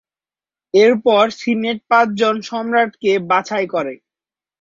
এরপর সিনেট পাঁচজন সম্রাটকে বাছাই করে।